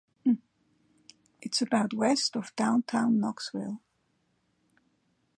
It is about west of downtown Knoxville.